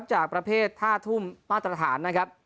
จากประเภทท่าทุ่มมาตรฐานนะครับ